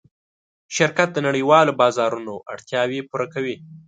شرکت د نړۍوالو بازارونو اړتیاوې پوره کوي.